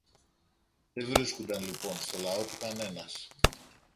Δε βρίσκουνταν λοιπόν στο λαό του κανένας